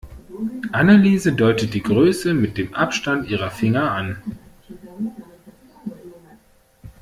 Anneliese deutet die Größe mit dem Abstand ihrer Finger an.